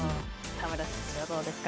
田村さんはどうですか。